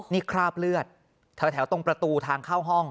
นี่คราบเลือดแถวตรงประตูทางเข้าห้อง